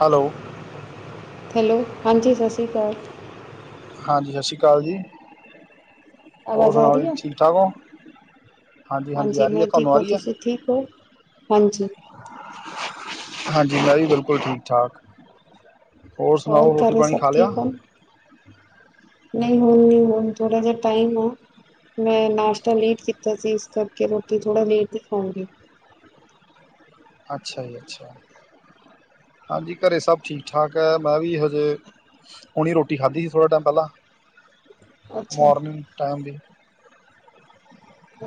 Hello hello ਹਾਂਜੀ ਸਤਿ ਸ਼੍ਰੀ ਅਕਾਲ ਹਾਂਜੀ ਸਤਿ ਸ਼੍ਰੀ ਅਕਾਲ ਜੀ ਹੋਰ ਆਵਾਜ਼ ਆ ਸੁਣਾਓ ਰਹੀ ਜੀ ਆ ਠੀਕ ਠਾਕ ਹੋ ਹਾਂਜੀ ਆ ਰਹੀ ਹੈ ਮੈਂ ਤੁਹਾਨੂੰ ਠੀਕ ਆ ਹੂ ਰਹੀ ਹੈ ਤੁਸੀਂ ਠੀਕ ਹੋ ਹਾਂਜੀ ਹਾਂਜੀ ਮੈ ਵਿ ਬਿਲਕੁਲ ਠੀਕ ਠਾਕ ਹੋਰ ਸੁਣਾਓ ਰੋਟੀ ਘਰੇ ਪਾਣੀ ਸਭ ਖਾ ਲਿਆ ਠੀਕ ਹੋ ਨਹੀਂ ਓਹ ਹੁਣ ਥੋੜਾ ਜਿਹਾ ਟਾਈਮ ਨਾ ਮੈਂ ਨਾਸ਼ਤਾ ਲੇਟ ਕੀਤਾ ਸੀ ਇਸ ਕਰਕੇ ਰੋਟੀ ਥੋੜ੍ਹਾ ਲੇਟ ਹੀ ਖਾਊਂਗੀ ਅੱਛਾ ਜੀ ਅੱਛਾ ਹਾਂਜੀ ਘਰੇ ਸਭ ਠੀਕ ਠਾਕ ਹੈ ਮੈਂ ਵੀ ਹਜੇ ਹੁਣੀ ਰੋਟੀ ਖਾਧੀ ਥੋੜਾ ਟਾਈਮ ਪਹਿਲਾਂ ਅੱਛਾ ਮੋੌਰਰਨਿੰਗ ਟਾਈਮ ਦੀ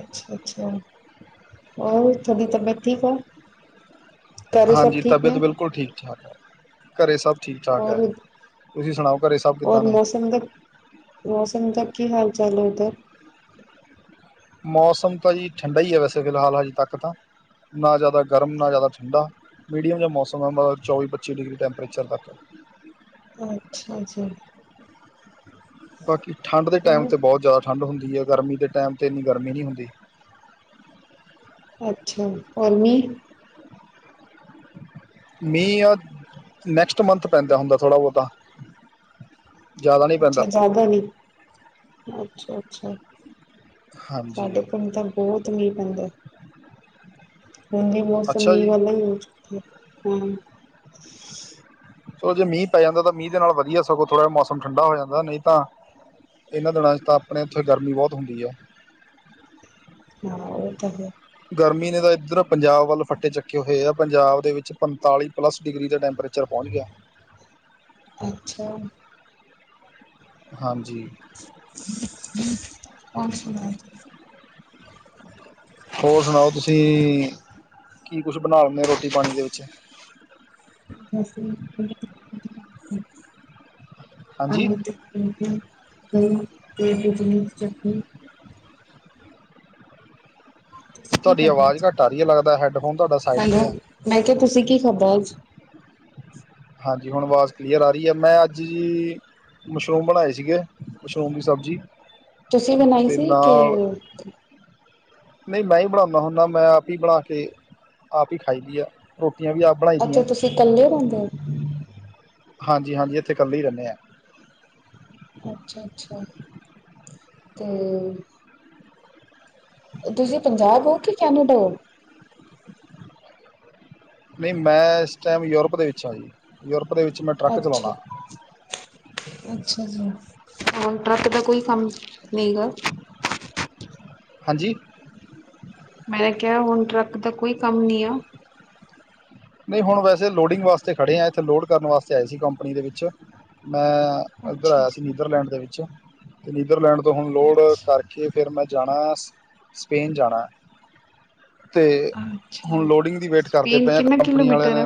ਅੱਛਾ ਅੱਛਾ ਹੋਰ ਤੁਹਾਡੀ ਤਬੀਅਤ ਠੀਕ ਆ ਘਰੇ ਸਭ ਹਾਂਜੀ ਠੀਕ ਤਬੀਅਤ ਨੇ ਬਿਲਕੁਲ ਠੀਕ ਠਾਕ ਹੈ ਘਰੇ ਸਭ ਠੀਕ ਠਾਕ ਹੋਰ ਹੈ ਤੁਸੀਂ ਸੁਣਾਓ ਘਰੇ ਸਭ ਕਿੱਦਾਂ ਔਰ ਨੇ ਮੌਸਮ ਤਕ ਮੌ ਮੌਸਮ ਤਕ ਕੀ ਹਾਲ ਚਾਲ ਹੈ ਉਧਰ ਮੌਸਮ ਤਾਂ ਜੀ ਠੰਡਾ ਹੀ ਹੈ ਵੈਸੇ ਫਿਲਹਾਲ ਹਜੇ ਤੱਕ ਤਾਂ ਨਾ ਜ਼ਿਆਦਾ ਗਰਮ ਨਾ ਜ਼ਿਆਦਾ ਠੰਡਾ ਮੀਡੀਅਮ ਜਿਹਾ ਮੌਸਮ ਹੈ ਚੌਵੀ ਪੱਚੀ ਡਿਗਰੀ ਟੈਂਪਰੇਚਰ ਤੱਕ ਏ [unintelligible] ਅੱਛਾ ਅੱਛਾ ਬਾਕੀ ਠੰਡ ਦੇ ਟਾਈਮ ਹੋਰ? ਤੇ ਬਹੁਤ ਜ਼ਿਆਦਾ ਠੰਡ ਹੁੰਦੀ ਹੈ ਗਰਮੀ ਦੇ ਟਾਈਮ 'ਤੇ ਇੰਨੀ ਗਰਮੀ ਨਹੀਂ ਹੁੰਦੀ ਅੱਛਾ ਗਰਮੀ ਮੀਂ ਆ ਨੈਕਸਟ ਮੰਥ ਪੈਂਦਾ ਹੁੰਦਾ ਥੋੜ੍ਹਾ ਬਹੁਤਾ ਜ਼ਿਆਦਾ ਨਹੀਂ ਪੈਂਦਾ ਅੱਛਾ ਜਾਦਾ ਵੀ ਅੱਛਾ ਅੱਛਾ ਹਾਂਜੀ ਸਾਡੇ ਕਮ ਤਾਂ ਬਹੁਤ ਮੀਂਹ ਪੈਂਦਾ ਵਿ ਮੌਸਮ ਅੱਛਾ ਮੀਹ ਜੀ ਵਾਲਾ ਹੋ ਚੁੱਕਿਆ ਏ ਚਲੋ ਜੇ ਮੀਂਹ ਪੈ ਜਾਂਦਾ ਤਾਂ ਮੀਹ ਨਾਲ ਵਧੀਆ ਸੋਂ ਥੋੜਾ ਜਹਾ ਮੌਸਮ ਠੰਡਾ ਹੋ ਜਾਂਦਾ ਨਹੀਂ ਤਾਂ ਇਹਨਾਂ ਦਿਨਾਂ 'ਚ ਤਾਂ ਆਪਣੇ ਉੱਥੇ ਗਰਮੀ ਬਹੁਤ ਹੁੰਦੀ ਹੈ ਹਾਂ ਉਹ ਤਾਂ ਹੈ ਗਰਮੀ ਨੇ ਤਾਂ ਇੱਧਰ ਪੰਜਾਬ ਵੱਲ ਫੱਟੇ ਚੁੱਕੇ ਹੋਏ ਆ ਪੰਜਾਬ ਦੇ ਵਿੱਚ ਪੰਤਾਲੀ ਪਲੱਸ ਡਿਗਰੀ ਦਾ ਟੈਂਪਰੇਚਰ ਚਿਰ ਪਹੁੰਚ ਗਿਆ ਅੱਛਾ ਹਾਂਜੀ ਹੋਰ ਸੁਣਾਓ ਹੋਰ ਸੁਣਾਓ ਤੁਸੀਂ ਕੀ ਕੁਛ ਬਣਾ ਲੈਂਦੇਦੇ ਰੋਟੀ ਪਾਣੀ ਦੇ ਵਿੱਚ ਅ ਹਾਂਜੀ [inaudible] ਤੁਸੀਂ [inaudible] ਕੀ ਤੁਹਾਡੀ ਕਰਨਾ ਆਵਾਜ਼ ਘੱਟ ਆ ਰਹੀ ਆ ਲੱਗਦਾ ਹੈਡਫੋਨ ਤੁਹਾਡਾ ਸਾਈਡ ਹੈਲੋ 'ਤੇ ਹੈ ਮੈਂ ਕਿਹਾ ਤੁਸੀਂ ਕੀ ਖਾਧਾ ਅੱਜ । ਹਾਂਜੀ ਹੁਣ ਆਵਾਜ਼ ਕਲੀਅਰ ਆ ਰਹੀ ਹੈ । ਮੈਂ ਅੱਜ ਜੀ ਮਸ਼ਰੂਮ ਬਣਾਏ ਸੀਗੇ ਮਸ਼ਰੂਮ ਦੀ ਸਬਜ਼ੀ ਤੁਸੀ ਬਣਾਈ ਤੇ ਸੀ ਕਿ ਨਾਲ ਨਹੀਂ ਮੈਂ ਹੀ ਬਣਾਉਦਾ ਹੁੰਦਾ ਮੈਂ ਆਪ ਹੀ ਬਣਾ ਕੇ ਆਪ ਹੀ ਖਾਈ ਦੀਆਂ ਰੋਟੀਆਂ ਵੀ ਆਪ ਬਣਾਈ ਦਆਂ ਅੱਛਾ ਤੁਸੀਂ [inaudible] ਹਾਂਜੀ ਹਾਂਜੀ ਇੱਥੇ ਇਕੱਲੀ ਰਹਿੰਦੇ ਹਾਂ ਅੱਛਾ ਅੱਛਾ ਤੇ ਤੁਸੀਂ ਪੰਜਾਬ ਹੋ ਕਿ ਕੈਨੇਡਾ ਹੋ ਨਹੀਂ ਮੈਂ ਇਸ ਟਾਈਮ ਯੂਰਪ ਦੇ ਵਿੱਚ ਹਾਂ ਜੀ ਯੂਰਪ ਦੇ ਵਿੱਚ ਮੈਂ ਟਰੱਕ ਅੱਛਾ ਚਲਾਉਣਾ ਅੱਛਾ ਜੀ ਹੁਣ ਟਰੱਕ ਦਾ ਕੋਈ ਕੰਮ ਨਹੀਂ ਗਾ ਹਾਂਜੀ ਮੈਂ ਕਿਹਾ ਹੁਣ ਟਰੱਕ ਦਾ ਕੋਈ ਕੰਮ ਨ ਆ ਨਹੀਂ ਹੁਣ ਵੈਸੇ ਲੋਡਿੰਗ ਵਾਸਤੇ ਖੜ੍ਹੇ ਆ ਇੱਥੇ ਲੋਡ ਕਰਨ ਵਾਸਤੇ ਆਏ ਸੀ ਕੰਪਨੀ ਦੇ ਵਿੱਚ ਮੈਂ ਇੱਧਰ ਅੱਛਾ ਆਇਆ ਜੀ, ਸੀ ਨੀਦਰਲੈਂਡ ਦੇ ਵਿੱਚ ਅਤੇ ਨੀਦਰਲੈਂਡ ਤੋਂ ਹੁਣ ਲੋਡ ਕਰਕੇ ਫਿਰ ਮੈਂ ਜਾਣਾ ਸਪੇਨ ਜਾਣਾ ਅਤੇ ਹੁਣ ਅੱਛਾ-ਅੱਛਾ। ਲੋਡਿੰਗ ਦੀ ਵੇਟ ਕਰਦੇ ਸਪੇਨ ਪਏ ਹਾਂ ਕਿੰਨਾ ਕੰਪਨੀ ਵਾਲਿਆਂ ਕਿਲੋਮੀਟਰ ਹੈ? ਨੇ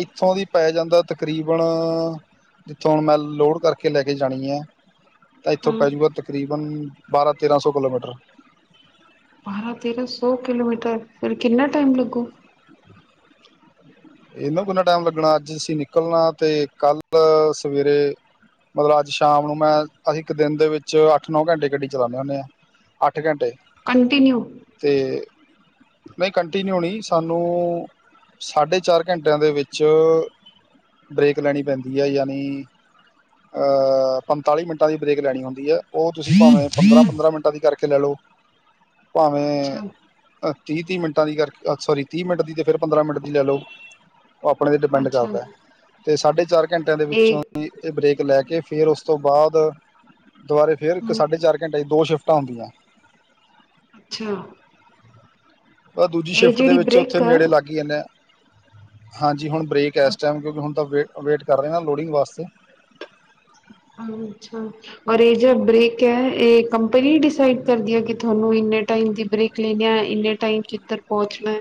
ਇੱਥੋਂ ਦੀ ਪਾਇ ਜਾਂਦਾ ਤਕਰੀਬਨ ਜਿੱਥੋਂ ਹੁਣ ਮੈਂ ਲੋਡ ਕਰਕੇ ਲੈ ਕੇ ਜਾਣੀ ਹੈ ਤਾਂ ਇੱਥੋਂ ਹਾਂ ਪੈ ਜੂ ਗਾ ਤਕਰੀਬਨ ਬਾਰਾਂ ਤੇਰਾਂ ਸੌ ਕਿਲੋਮੀਟਰ। ਬਾਰਾਂ ਤੇਰਾਂ ਸੌ ਕਿਲੋਮੀਟਰ ਫੇਰ ਕਿੰਨਾ ਟਾਈਮ ਲੱਗੂ? ਇਹਨੂੰ ਕਿੰਨਾ ਟਾਈਮ ਲੱਗਣਾ ਅੱਜ ਅਸੀਂ ਨਿਕਲਣਾ ਤੇ ਕੱਲ ਸਵੇਰੇ। ਮਤਲਬ ਅੱਜ ਸ਼ਾਮ ਨੂੰ ਮੈਂ ਅਸੀਂ ਇੱਕ ਦਿਨ ਦੇ ਵਿੱਚ ਅੱਠ ਨੌ ਘੰਟੇ ਗੱਡੀ ਚਲਾਉਂਦੇ ਹੁੰਦੇ ਹਾਂ। ਅੱਠ ਘੰਟੇ। ਕੰਟਿਨਿਊ। ਤੇ ਨਹੀਂ ਕੰਟੀਨਿਊਣੀ ਸਾਨੂੰ ਸਾਡੇ। ਚਾਰ ਘੰਟਿਆਂ ਦੇ ਵਿੱਚ ਬਰੇੇਕ ਲੈਣੀ ਪੈਂਦੀ ਹੈ ਯਾਨੀ। ਅਹ ਪੰਤਾਲੀ ਮਿੰਟਾਂ ਦੀ ਬਰੇਕ ਲੈਣੀ ਹੁੰਦੀ ਹੈ। ਉਹ ਤੁਸੀਂ ਭਾਵੇਂ ਪੰਦਰਾਂ ਪੰਦਰਾਂ ਮਿੰਟਾਂ ਦੀ ਕਰਕੇ ਲੈ ਲਓ ਭਾਵੇਂ। ਅੱਛਾ-ਅੱਛਾ ਅਹ ਤੀਹ ਤੀਹ ਮਿੰਟ ਦੀ ਕਰਕੇ ਸੋਰੀ ਤੀਹ ਮਿੰਟ ਦੀ ਤੇ ਫਿਰ ਪੰਦਰਾਂ ਮਿੰਟ ਦੀ ਲੈ ਲਓ। ਉਹ ਆਪਣੇ 'ਤੇ ਡਿਪੈਂਡ ਕਰਦਾ ਅਤੇ ਸਾਢੇ ਚਾਰ ਘੰਟਿਆਂ ਦੇ ਇਹ ਵਿੱਚੋਂ ਹੀ ਇਹ ਬ੍ਰੇਕ। ਲੈ ਕੇ ਫੇਰ ਉਸ ਤੋਂ ਬਾਅਦ ਦੁਬਾਰੇ ਫੇਰ ਹੂੰ ਸਾਢੇ ਚਾਰ ਘੰਟੇ ਦੋ ਸ਼ਿਫਟ। ਸ਼ਿਫਟਾਂ ਹੁੰਦੀਆਂ। ਅੱਛਾ। ਪਰ ਦੂਜੀ ਇਹ ਸ਼ਿਫਟ ਦੇ ਜਿਹੜੀ ਵਿੱਚ ਉੱਥੇ ਬ੍ਰੇਕ ਆ ਨੇੜੇ ਲੱਗ ਜਾਂਦੇ ਆ ਹਾਂਜੀ ਹੁਣ। ਬਰੇਕ ਇਸ ਟਾਈਮ ਕਿਉਂਕਿ ਅੱਛਾ ਹੁਣ ਤਾਂ ਵੇ ਵੇਟ ਕਰ ਰਹੇ ਨਾ ਲੋਡਿੰਗ ਵਾਸਤੇ। ਔਰ ਅੱਛਾ ਔਰ ਇਹ ਜੋ ਬ੍ਰੇਕ ਹੈ ਇਹ ਕੰਪਨੀ ਡਿਸਾਈਡ ਕਰਦੀ ਹੈ ਕਿ ਤੁਹਾਨੂੰ ਇੰਨੇ ਟਾਈਮ ਦੀ ਬ੍ਰੇਕ ਲੈਣੇ ਆ ਇੰਨੇ ਟਾਈਮ 'ਚ ਕਿੱਧਰ ਪਹੁੰਚਣਾ।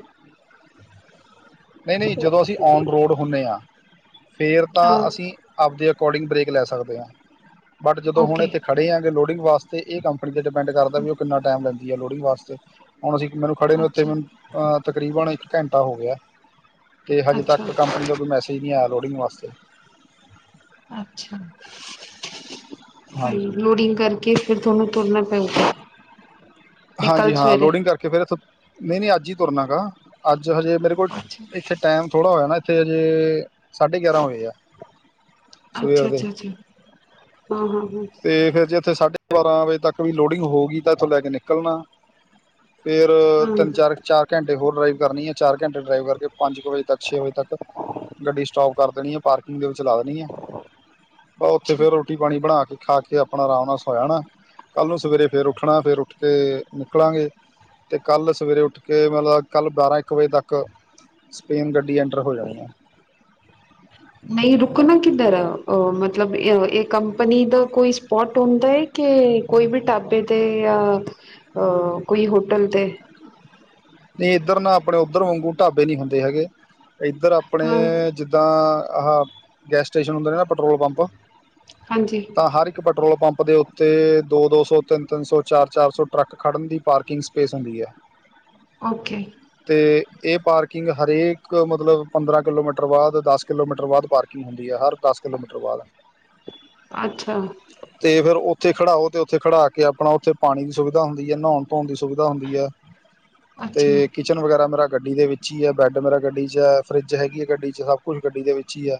ਨਹੀਂ ਨਹੀਂ ਜਦੋਂ ਅਸੀਂ ਔਨ ਰੋਡ ਹੁਣੇ ਆ। ਫੇਰ ਤਾਂ ਹਾਂ ਅਸੀਂ ਆਪਦੇ ਅਕੋਰਡਿੰਗ ਬਰੇੇਕ ਲੈ ਸਕਦੇ ਹਾਂ ਬਟ ਜਦੋਂ ਹੁਣ ਓਕੇ ਇੱਥੇ ਖੜ੍ਹੇ ਆਂਗੇ ਲੋੜ। ਲੋਡਿੰਗ ਵਾਸਤੇ ਇਹ ਕੰਪਨੀ ਤੇ ਡਿਪੈਂਡ ਕਰਦਾ ਵੀ ਉਹ ਕਿੰਨਾ ਟਾਈਮ ਦਿੰਦੀ ਆ ਲੋਡਿੰਗ ਵਾਸਤੇ ਹੁਣ ਅਸੀਂ ਮੈਨੂੰ ਖੜੇ ਨੂੰ ਇੱਥੇ ਅੱਛਾ ਮੈਨੂੰ ਅਹ ਤਕਰੀਬਨ ਇੱਕ ਘੰਟਾ ਹੋ ਗਿਆ ਹੈ। ਅਤੇ ਹਜੇ ਅੱਛਾ ਤੱਕ ਕੰਪਨੀ ਦਾ ਕੋਈ ਮੈਸੇਜ ਨਹੀਂ ਆਇਆ ਹੈ ਲੋਡਿੰਗ ਵਾਸਤੇ ਅੱਛਾ। ਹਾਂਜੀ ਲੋਡਿੰਗ ਕਰਕੇ ਫਿਰ ਤੁਹਾਨੂੰ ਤੁਰਨਾ ਪਊਗਾ। ਇਹ ਹਾਂਜੀ ਕੱਲ ਹਾਂ ਸਵੇਰੇ ਲੋਡਿੰਗ ਕਰਕੇ ਫਿਰ ਇੱਥੋਂ, ਨਹੀਂ ਨਹੀਂ ਅੱਜ ਈ ਤੁਰਨਾ ਗਾ। ਅੱਜ ਜ ਹਜੇ ਮੇਰੇ ਕੋਲ, ਅੱਛਾ ਇੱਥੇ ਟਾਈਮ ਥੋੜ੍ਹਾ ਹੋਇਆ ਨਾ, ਇੱਥੇ ਹਜੇ-ਏ ਸਾਢੇ ਗਿਆਰਾਂ ਹੋਏ ਆ। ਅੱਛਾ ਸਵੇਰ ਦੇ ਅੱਛਾ ਅੱਛਾ ਹਾਂ ਹਾਂ। ਹਾਂ ਤੇ ਫੇਰ ਜੇ ਇੱਥੇ ਸਾਢੇ ਬਾਰਾਂ ਵਜੇ ਤੱਕ ਵੀ ਲੋਡਿੰਗ ਹੋ ਗੀ ਤਾਂ ਇੱਥੋਂ ਲੈ ਕੇ ਨਿਕਲਣਾ। ਫੇਰ ਹਾਂ ਤਿੰਨ ਚਾਰ ਚਾਰ ਘੰਟੇ ਹੋਰ ਡਰਾਈਵ ਕਰਨੀ ਐ। ਚਾਰ ਘੰਟੇ ਡਰਾਈਵ ਕਰਕੇ, ਪੰਜ ਕੁ ਵਜੇ ਤੱਕ, ਛੇ ਵਜੇ ਤੱਕ ਗੱਡੀ ਸਟੋਪ ਕਰ ਦੇਣੀ ਐਂ। ਪਾਰਕਿੰਗ ਦੇ ਵਿੱਚ ਚ ਲਾ ਦੇਣੀ ਆਂ। ਬ ਉੱਥੇ ਅੱਛਾ ਫੇਰ ਰੋਟੀ ਪਾਣੀ ਬਣਾ ਕ ਖਾ ਕੇ ਆਪਣਾ ਆਰਾਮ ਨਾਲ ਸੌ ਜਾਣਾ। ਕੱਲ੍ਹ ਨੂੰ ਸਵੇਰੇ ਫਿਰ ਉੱਠਣਾ ਫਿਰ ਉੱਠ ਕੇ ਨਿਕਲਾਂਗੇ। ਤੇ ਕੱਲ੍ਹ ਸਵੇਰੇ ਉੱਠ ਕੇ ਮਤਲਬ ਕੱਲ੍ਹ ਬਾਰਾਂ ਇੱਕ ਵਜੇ ਤੱਕ ਸਪੇਨ ਗੱਡੀ ਐਂਟਰ ਹੋ ਜਾਣੀ ਆ। ਨਹੀਂ ਰੁਕਣਾ ਕਿੱਧਰ ਐ, ਅ ਮਤਲਬ ਏਹ-ਅ-ਇਹ ਕੰਪਨੀ ਦਾ ਕੋਈ ਸਪੋਟ ਹੁੰਦਾ ਐ ਕਿ ਕੋਈ ਵੀ ਢਾਬੇ ਤੇ ਯਾ ਅ ਕੋਈ ਹੋਟਲ ਤੇ। ਨਹੀਂ ਇੱਧਰ ਨਾ ਆਪਣੇ ਓਧਰ ਵਾਂਗੂ ਢਾਬੇ ਨੀ ਹੁੰਦੇ ਹੈਗੇ। ਇੱਧਰ ਆਪਣੇ ਹਾਂ ਜਿੱਦਾਂ ਆਹਾ ਗੈਸ ਸਟੇਸ਼ਨ ਹੁੰਦੇ ਨੇ ਨਾ, ਪੈਟਰੋਲ ਪੰਪ, ਹਾਂਜੀ ਤਾਂ ਹਰ ਇੱਕ ਪੈਟਰੋਲ ਪੰਪ ਦੇ ਉੱਤੇ ਦੋ ਦੋ ਸੌ ਤਿੰਨ ਤਿੰਨ ਸੌ ਚਾਰ ਚਾਰ ਸੌ ਟਰੱਕ ਖੜ੍ਹਨ ਦੀ ਪਾਰਕਿੰਗ ਸਪੇਸ ਹੁੰਦੀ ਐ। ਓਕੇ। ਤੇ ਇਹ ਪਾਰਕਿੰਗ ਹਰੇਕ ਮਤਲਬ ਪੰਦਰਾਂ ਕਿਲੋਮੀਟਰ ਬਾਅਦ, ਦਸ ਕਿਲੋਮੀਟਰ ਬਾਅਦ ਪਾਰਕਿੰਗ ਹੁੰਦੀ ਐ। ਹਰ ਦਸ ਕਿਲੋਮੀਟਰ ਬਾਅਦ। ਅੱਛਾ। ਤੇ ਫਿਰ ਉੱਥੇ ਖੜਾਓ ਤੇ ਉੱਥੇ ਖੜਾ ਕੇ ਆਪਣਾ ਉੱਥੇ ਪਾਣੀ ਦੀ ਸੁਵਿਧਾ ਹੁੰਦੀ ਐ, ਨਉਣ ਧੋਣ ਦੀ ਸੁਵਿਧਾ ਹੁੰਦੀ ਐ। ਤੇ ਅੱਛਾ ਕਿਚਨ ਵਗੈਰਾ ਮੇਰਾ ਗੱਡੀ ਦੇ ਵਿੱਚ ਈ ਆ, ਬੈੱਡ ਮੇਰਾ ਗੱਡੀ ਚ ਐ ਫਰਿੱਜ ਹੈਗੀ ਐ ਗੱਡੀ ਚ, ਸਭ ਕੁਛ ਗੱਡੀ ਦੇ ਵਿੱਚ ਈ ਐ।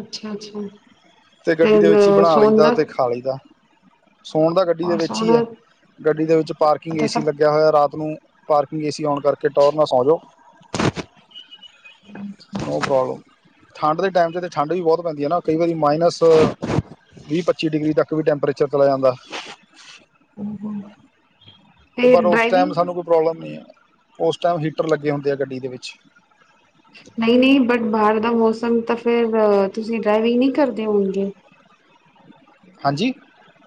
ਅੱਛਾ ਅੱਛਾ ਤੇ ਗੱਡੀ ਦੇ ਫਿਰ ਵਿੱਚ ਹੀ ਬਣਾ ਸੋਨ ਦਾ ਲਈਦਾ ਤੇ ਖਾ ਲਈਦਾ। ਸੋਣ ਦਾ ਗੱਡੀ ਦੇ ਔਰ ਵਿੱਚ ਈ ਐ। ਸੋਨਾ ਗੱਡੀ ਦੇ ਵਿੱਚ ਪਾਰਕਿੰਗ ਏ ਤਾਂ ਸੀ ਸਭ ਲੱਗਿਆ ਹੋਇਆ। ਰਾਤ ਓਨੂੰ ਪਾਰਕਿੰਗ ਏ ਸੀ ਓਨ ਕਰਕੇ ਟੋਰ ਨਾ ਸੌਂ ਜੋ। No problem. ਠੰਡ ਦੇ ਟਾਈਮ ਤੇ ਤੇ ਠੰਡ ਵੀ ਬਹੁਤ ਪੈਂਦੀ ਐ ਨਾ, ਕਈ ਵਾਰੀ ਮਾਈਨਸ ਵੀਹ ਪੱਚੀ ਡਿਗਰੀ ਤੱਕ ਵੀ ਟੈਂਪਰੇਚਰ ਚਲਾ ਜਾਂਦਾ। ਫੇਰ ਪਰ ਉਸ ਟਾਈਮ ਡਰਾਈਵਿੰਗ ਸਾਨੂੰ ਕੋਈ ਪ੍ਰੋਬਲਮ ਨਹੀਂ ਹੈ ਉਸ ਟਾਈਮ ਹੀਟਰ ਲੱਗੇ ਹੁੰਦੇ ਆ ਗੱਡੀ ਦੇ ਵਿੱਚ ਨਹੀਂ ਨਹੀਂ, ਬਟ ਬਾਹਰ ਦਾ ਮੌਸਮ ਤਾਂ ਫਿਰ, ਤੁਸੀਂ ਡਰਾਈਵਿੰਗ ਨਹੀਂ ਕਰਦੇ ਹੋਣਗੇ? ਹਾਂਜੀ?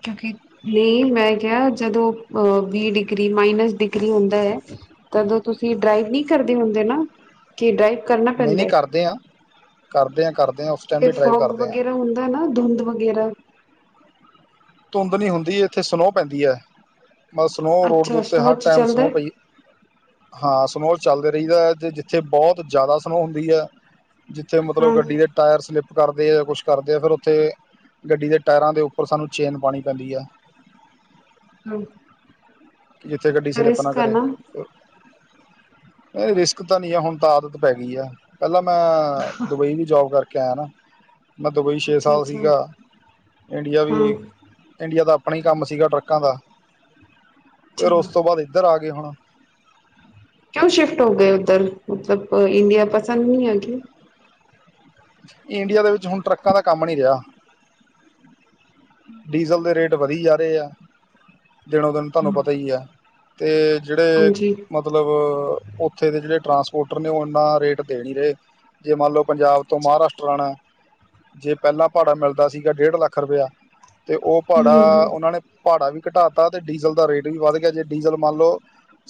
ਕਿਉਂਕਿ, ਨਹੀਂ ਮੈਂ ਕਿਹਾ ਜਦੋਂ ਅ ਵੀਹ ਡਿਗਰੀ, ਮਾਈਨਸ ਡਿਗਰੀ ਹੁੰਦਾ ਐ ਤਦੋਂ ਤੁਸੀਂ ਡਰਾਈਵ ਨੀ ਕਰਦੇ ਹੁੰਦੇ ਨਾ। ਕਿ ਡਰਾਈਵ ਕਰਨਾ ਨਹੀਂ ਪੈਂਦਾ ਨਹੀਂ ਹੈ ਕਰਦੇ ਆਂ। ਕਰਦੇ ਆਂ ਕਰਦੇ ਆਂ, ਉਸ ਟਾਈਮ ਤੇ ਵੀ ਡਰਾਈਵ ਫੋਗ ਕਰਦੇ ਆ ਵਗੈਰਾ ਹੁੰਦਾ ਨਾ ਧੁੰਧ ਵਗੈਰਾ? ਧੁੰਦ ਨੀ ਹੁੰਦੀ ਇੱਥੇ ਸਨੋਹ ਪੈਂਦੀ ਐ। ਮਤਲ ਸਨੋ ਰੋਡ ਦੇ ਅੱਛਾ ਉੱਤੇ ਸਨੋ ਹਰ ਚ ਟਾਈਮ ਚੱਲਦਾ ਸਨੋ ਹੈ। ਪਈ, ਹਾਂ ਸਨੋ ਚੱਲਦੇ ਰਈਦਾ ਐ ਤੇ ਜਿੱਥੇ ਬਹੁਤ ਜ਼ਿਆਦਾ ਸਨੋਅ ਹੁੰਦੀ ਐ। ਜਿੱਥੇ ਮਤਲਬ ਹਾਂ ਗੱਡੀ ਦੇ ਟਾਇਰ ਸਲਿੱਪ ਕਰਦੇ ਐ, ਕੁੱਛ ਕਰਦੇ ਆ। ਫ਼ਿਰ ਉੱਥੇ ਗੱਡੀ ਦੇ ਟਾਇਰਾਂ ਦੇ ਉੱਪਰ ਸਾਨੂੰ ਚੇਨ ਪਾਣੀ ਪੈਂਦੀ ਐ। ਹਮ। ਜਿੱਥੇ ਗੱਡੀ ਸਲਿੱਪ ਨਾ ਕਰੇ ਨਹੀਂ ਰਿਸਕ ਤਾਂ ਨੀ ਆ, ਹੁਣ ਤਾਂ ਆਦਤ ਪੈ ਗੀ ਆ। ਪਹਿਲਾਂ ਮੈਂ ਦੁਬਈ ਵੀ ਜੋਬ ਕਰਕੇ ਆਇਆ ਨਾ। ਮੈਂ ਦੁਬਈ ਛੇ ਅੱਛਾ ਸਾਲ ਅੱਛਾ ਸੀਗਾ। ਇੰਡੀਆ ਹਾਂ ਵੀ, ਇੰਡੀਆ ਦਾ ਆਪਣਾ ਈ ਕੰਮ ਸੀਗਾ ਟਰੱਕਾਂ ਦਾ। ਫਿਰ ਉਸ ਅੱਛਾ ਤੋਂ ਬਾਅਦ ਇੱਧਰ ਆ ਗੇ ਗੇ ਹੁਣ। ਕਿਉਂ ਸ਼ਿਫਟ ਹੋ ਗਏ ਓਧਰ, ਮਤਲਬ ਇੰਡੀਆ ਪਸੰਦ ਨਹੀਂ ਆ ਕੀ? ਇੰਡੀਆ ਦੇ ਵਿੱਚ ਹੁਣ ਟਰੱਕਾਂ ਦਾ ਕੰਮ ਨਹੀਂ ਰਿਆ। ਡੀਜ਼ਲ ਦੇ ਰੇਟ ਵਧੀ ਜਾ ਰਹੇ ਆ ਦਿਨੋ ਦਿਨ ਤੁਹਾਨੂੰ ਪਤਾ ਹੀ ਆ ਅਤੇ ਜਿਹੜੇ ਹਾਂਜੀ ਮਤਲੱਬ ਉੱਥੇ ਦੇ ਜਿਹੜੇ ਟਰਾਂਸਪੋਰਟ ਸਪੋਟਰ ਨੇ ਉਹ ਇੰਨਾ ਰੇਟ ਦੇ ਨਹੀਂ ਰਹੇ ਜੇ ਮੰਨ ਲਓ ਪੰਜਾਬ ਤੋਂ ਅੱਛਾ ਮਹਾਰਾਸ਼ਟਰ ਆਉਣਾ ਜੇ ਪਹਿਲਾਂ ਭਾੜਾ ਮਿਲਦਾ ਸੀਗਾ ਡੇਢ ਲੱਖ ਰੁਪਇਆ ਅਤੇ ਉਹ ਭਾੜਾ ਹੂੰ, ਉਹਨਾਂ ਨੇ ਭਾੜਾ ਵੀ ਘਟਾਤਾਾ ਅਤੇ ਡੀਜ਼ਲ ਦਾ ਰੇਟ ਵੀ ਵੱਧ ਗਿਆ ਜੇ ਡੀਜ਼ਲ ਮੰਨ ਲਉ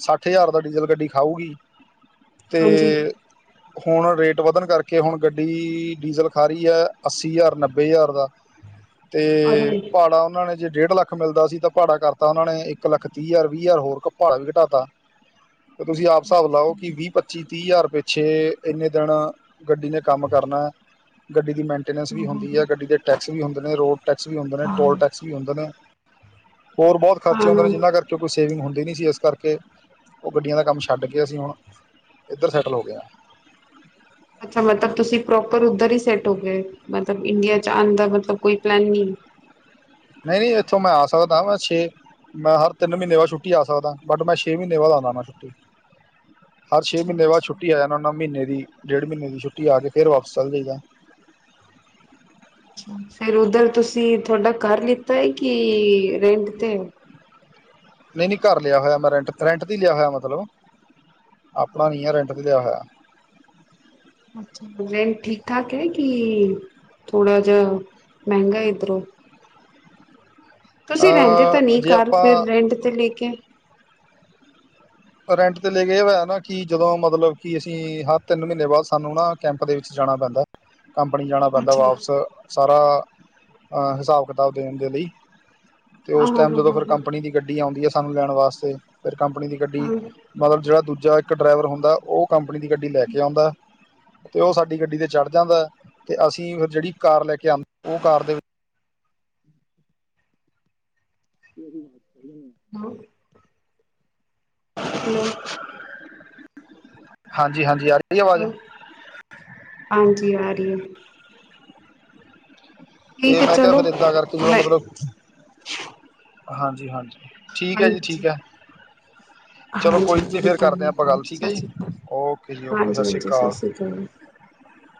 ਸੱਠ ਹਜ਼ਾਰ ਦਾ ਡੀਜ਼ਲ ਗੱਡੀ ਖਾਊਗੀ ਤੇ ਹਾਂਜੀ ਹੁਣ ਰੇਟ ਵਧਣ ਕਰਕੇ ਹੁਣ ਗੱਡੀ ਡੀਜ਼ਲ ਖਾ ਰਹੀ ਹੈ ਅੱਸੀ ਹਜ਼ਾਰ ਨੱਬੇ ਹਜ਼ਾਰ ਦਾ ਅਰੇ ਤੇ ਭਾੜਾ ਉਹ ਨੇ ਜੇ ਡੇਢ ਲੱਖ ਮਿਲਦਾ ਸੀ ਤਾਂ ਭਾੜਾ ਕਰਤਾ ਉਹਨਾਂ ਨੇ ਇੱਕ ਲੱਖ ਤੀਹ ਹਜ਼ਾਰ ਵੀਹ ਹਜ਼ਾਰ ਹੋਰ ਭਾੜਾ ਵੀ ਘਟਾਤਾ ਤੇ ਤੁਸੀਂ ਆਪ ਹਿਸਾਬ ਲਓ ਕਿ ਵੀਹ ਪੱਚੀ ਤੀਹ ਹਜ਼ਾਰ ਪਿੱਛੇ ਇੰਨੇ ਦਿਨ ਗੱਡੀ ਨੇ ਕੰਮ ਕਰਨਾ ਗੱਡੀ ਦੀ ਮੇਨਟੇਨੈਂਸ ਵੀ ਹੁੰਦੀ ਹੈ ਗੱਡੀ ਦੇ ਟੈਕਸ ਵੀ ਹੁੰਦੇ ਨੇ ਰੋਡ ਟੈਕਸ ਵੀ ਹੁੰਦੇ ਨੇ ਹਾਂ। ਟੋਲ ਟੈਕਸ ਵੀ ਹੁੰਦੇ ਨੇ ਹੋਰ ਬਹੁਤ ਖਰਚੇ ਹੁੰਦੇ ਨੇ ਹਾਂ, ਜਿਨ੍ਹਾਂ ਕਰਕੇ ਕੋਈ ਸੇਵਿੰਗੁੰ ਨਹੀਂ ਸੀ ਇਸ ਕਰਕੇ ਉਹ ਗੱਡੀਆਂ ਦਾ ਕੰਮ ਛੱਡ ਕੇ ਅਸੀਂ ਹੁਣ ਇੱਧਰ ਸੈਟਲ ਹੋ ਗਏ ਹਾਂ ਅੱਛਾ ਮਤਲਬ ਤੁਸੀਂ ਪ੍ਰੋਪਰ ਉਧਰ ਹੀ ਸੈੱਟ ਹੋ ਗਏ ਮਤਲਬ ਇੰਡੀਆ ਚ ਆਉਣ ਦਾ ਮਤਲਬ ਕੋਈ ਪਲੈਨ ਨਹੀਂ ਨਹੀਂ ਨਹੀਂ ਇੱਥੋਂ ਮੈਂ ਆ ਸਕਦਾ ਮੈਂ ਛੇ ਮੈਂ ਹਰ ਤਿੰਨ ਮਹੀਨੇ ਬਾਅਦ ਛੁੱਟੀ ਆ ਸਕਦਾ ਬਟ ਮੈਂ ਛੇ ਮਹੀਨੇ ਬਾਅਦ ਆਨਾ ਨਾ ਛੁੱਟੀ ਹਰ ਛੇ ਮਹੀਨੇ ਬਾਅਦ ਛੱਟੀ ਆ ਜਾਨਾਂ ਉਹਨਾਂ ਮੀਨੇ ਦੀ ਵੀ ਡੇਢ ਮਹੀਨ ਦੀ ਛੁੱਟੀ ਆ ਕੇ ਫਿਰ ਵਾਪਸ ਚਲੇ ਜਾਈਦਾ ਹੈ ਫਿਰ ਉਧਰ ਤੁਸੀਂ ਤੁਹਾਡਾ ਘਰ ਲਿੱਤਾ ਹੈ ਕਿ ਰੈਂਟ ਤੇ ਨਹੀਂ ਨਹੀਂ ਘਰ ਲਿਆ ਹੋਇਆ ਮੈਂ ਰੈਂਟ ਰੈਂਟ ਤੇ ਲਿਆ ਹੋਇਆ ਮਤੱਲਬ ਆਪਣਾ ਨਹੀਂ ਹੈ ਰੈਂਟ ਤੇ ਲਿਆ ਹੋਇਆ ਅੱਛਾ ਲੋਅਨ ਲਏ ਠੀਕ ਠਾਕ ਹੈ ਕਿ ਥੋੜਾ ਜਿਆ ਮੈਂਹਿੰਗਰ ਇਧਰੋਂ ਤੁਸੀਂ ਰਹਿੰਦੇ ਤਾਂ ਅ ਨਹੀਂ ਜੇ ਘਰ ਫਿਰ ਆਪਾਂ ਰੈਂਟ ਤੇ ਲੈ ਕੇ ਰੈਂਟ ਤੇ ਲੈ ਕੇ ਹੋਇਆ ਨਾ ਕਿ ਜਦੋਂ ਮਤਲਬ ਕਿ ਅਸੀਂ ਹਰ ਤਿੰਨ ਮਹੀਨੇ ਬਾਅਦ ਸਾਨੂੰ ਨਾ ਕੈਂਪ ਦੇ ਵਿੱਚ ਜਾਣਾ ਪੈਂਦਾ ਕੰਪਨੀ ਜਾਣਾ ਪੈਂਦਾ ਅੱਛਾ ਵਾਪਿਸ ਹਾਂ ਸਾਰਾ ਹਿਸਾਬ ਕਿਤਾਬ ਦੇਣ ਦੇ ਲਈ ਅਤੇ ਉਸ ਹਾਂ ਟਾਈਮ ਹਾਂ ਜਦੋਂ ਹਾਂ ਫਿਰ ਹਾਂ ਕੰਪਨੀ ਦੀ ਗੱਡੀ ਆਉਂਦੀ ਐ, ਸਾਨੂੰ ਲੈਣ ਵਾਸਤੇ, ਫਿਰ ਕੰਪਨੀ ਦੀ ਗੱਡੀ ਹਾਂ ਮਤਲਬ ਜਿਹੜਾ ਦੂਜਾ ਇੱਕ ਡਰਾਈਵਰ ਹੁੰਦਾ, ਉਹ ਕੰਪਨੀ ਦੀ ਗੱਡੀ ਲੈ ਕੇ ਆਉਂਦਾ। ਤੇ ਉਹ ਸਾਡੀ ਗੱਡੀ ਤੇ ਚੜ੍ਹ ਜਾਂਦਾ ਹੈ ਤੇ ਅਸੀਂ ਫਿਰ ਜਿਹੜੀ ਕਾਰ ਲੈ ਕੇ ਆਉਂਦੇ ਉਹ ਕਾਰ ਦੇ [unintelligible] [unintelligible] [unintelligible] ਹੈਲੋ ਹਾਂਜੀ ਹਾਂਜੀ ਯਾਰ ਹਾਂਜੀ ਆ ਰਹੀ ਹੈ ਤੇ ਠੀਕ ਹੈ ਮੈਂ ਕਿਹਾ ਚਲੋ ਫਿਰ ਇਏਦਾਂ ਕਰਕੇ ਜਦੋਂ ਮੈਂ ਮਤਲਬ ਹਾਂਜੀ ਹਾਂਜੀ ਠੀਕ ਹੈ ਜੀ ਠੀਕ ਹਾਂਜੀ ਹੈ ਚਲੋ ਹਾਂਜੀ ਕੋਈ ਹਾਂਜੀ ਨਹੀਂੀ ਫੇਿਰ ਬਿਲਕੁਲ ਕਰਦੇ ਹਾਂ ਆਪਾਂ ਬਿਲਕੁਲ ਗੱਲ ਠੀਕ ਹੈ ਸਤਿ ਜੀ ਸ਼੍ਰੀ ਅਕਾਲ ਓਕੇ ਜੀ ਓਕੇ ਸਤਿ ਹਾਂਜੀ ਸ਼੍ਰੀ ਹਾਂਜੀ ਅਕਾਲ ਅਕਾਲ [unintelligible]